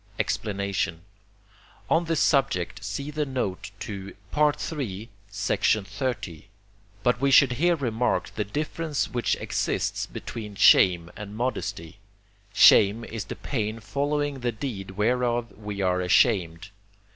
Explanation On this subject see the note to III. xxx. But we should here remark the difference which exists between shame and modesty. Shame is the pain following the deed whereof we are ashamed.